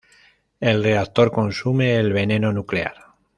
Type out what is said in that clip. El reactor "consume" el veneno nuclear.